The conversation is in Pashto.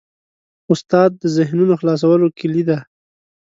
استاد د ذهنونو خلاصولو کلۍ ده.